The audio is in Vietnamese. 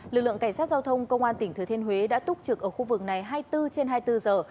lực lượng cảnh sát giao thông công an tỉnh thừa thiên huế đã túc trực ở khu vực này hai mươi bốn trên hai mươi bốn giờ